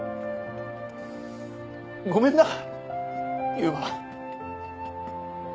ごめんな悠馬。